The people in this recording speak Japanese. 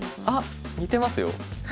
あっ似てますよ。